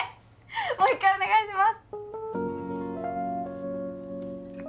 もう一回お願いします